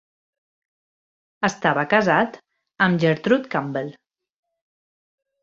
Estava casat amb Gertrude Campbell.